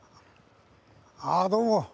ああどうも。